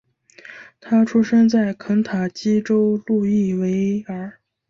他出生在肯塔基州路易维尔。